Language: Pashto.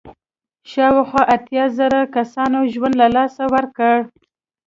شاوخوا اتیا زره کسانو ژوند له لاسه ورکړ.